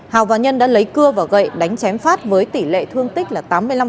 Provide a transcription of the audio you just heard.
hào và nhân đã lấy cưa vào gậy đánh chém phát với tỷ lệ thương tích là tám mươi năm